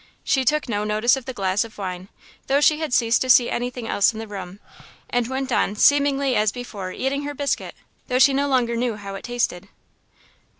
She took no notice of the glass of wine, though she had ceased to see anything else in the room, and went on, seemingly as before, eating her biscuit, though she no longer knew how it tasted.